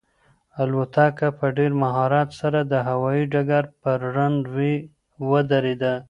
الوتکه په ډېر مهارت سره د هوایي ډګر پر رن وې ودرېده.